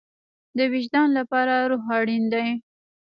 د وجدان لپاره روح اړین دی